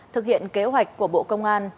thực hiện kế hoạch của bộ công an